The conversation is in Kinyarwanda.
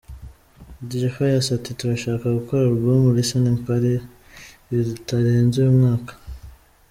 Deejay Pius ati “ Turashaka gukora album listening party bitarenze uyu mwaka.